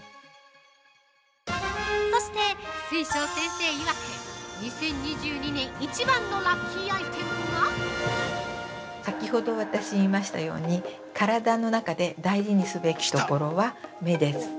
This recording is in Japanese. そして水晶先生曰く、２０２２年一番のラッキーアイテムが◆先ほど、私言いましたように、体の中で大事にすべきところは、目です。